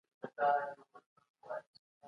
د بهرنیو چارو وزارت ګډ بازار نه پریږدي.